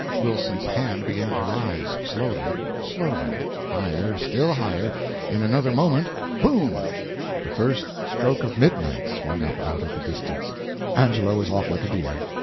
Wilson's hand began to rise slowly slowly higher still higher still higher in another moment: "Boom!" the first stroke of midnight swung up out of the distance; Angelo was off like a deer!